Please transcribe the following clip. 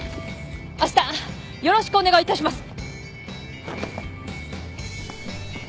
あしたよろしくお願いいたします！